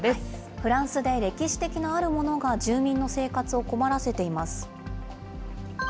フランスで歴史的なあるものが住民の生活を困らせています。